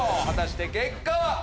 果たして結果は？